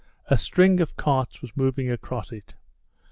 A string of carts was moving across it.